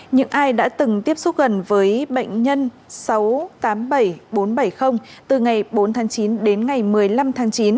những ai đã từng tiếp xúc gần với bệnh nhân sáu trăm tám mươi bảy bốn trăm bảy mươi từ ngày bốn tháng chín đến ngày một mươi năm tháng chín